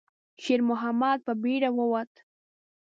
شېرمحمد په بیړه ووت.